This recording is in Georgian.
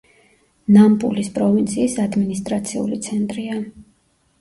ნამპულის პროვინციის ადმინისტრაციული ცენტრია.